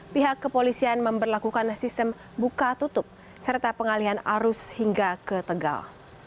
pihak kepolisian memperlakukan sistem buka tutup serta pengalian arus hingga ke tegal